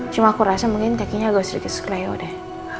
cuma aku rasa mungkin kakinya agak sedikit sekeliau deh